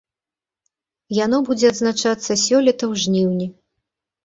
Яно будзе адзначацца сёлета ў жніўні.